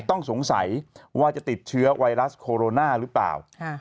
ต้องสงสัยว่าจะติดเชื้อไวรัสโคโรนาหรือเปล่า